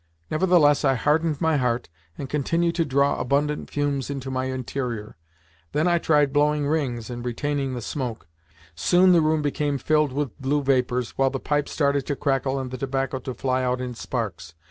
Nevertheless, I hardened my heart, and continued to draw abundant fumes into my interior. Then I tried blowing rings and retaining the smoke. Soon the room became filled with blue vapours, while the pipe started to crackle and the tobacco to fly out in sparks.